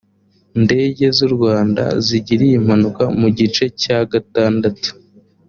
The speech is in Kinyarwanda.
ndege z u rwanda zigiriye impanuka mu gice cya gatandatu